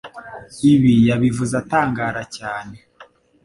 Ibi yabivuze atangara cyane